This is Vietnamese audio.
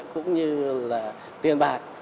cũng như là tiền bạc